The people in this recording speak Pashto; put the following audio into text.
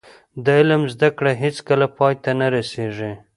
د علم زده کړه هیڅکله پای ته نه رسیږي.